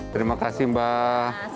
terima kasih mbak